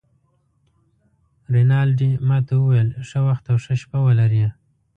رینالډي ما ته وویل: ښه وخت او ښه شپه ولرې.